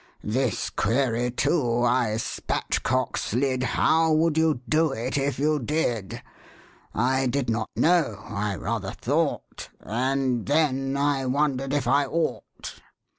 This query, too, I spatchcock slid. How would you do it, if you did ? I did not know, I rather thought — And then I wondered if I ought."